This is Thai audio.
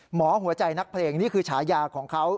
หัวใจนักเพลงนี่คือฉายาของเขา